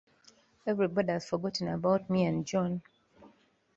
Everybody has forgotten about me and John.